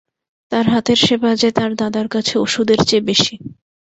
তার হাতের সেবা যে তার দাদার কাছে ওষুধের চেয়ে বেশি।